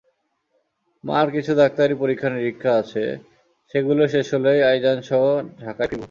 মার কিছু ডাক্তারি পরীক্ষা-নিরীক্ষা আছে, সেগুলো শেষ হলেই আইজানসহ ঢাকায় ফিরব।